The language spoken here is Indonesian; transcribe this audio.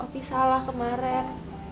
opi salah kemarin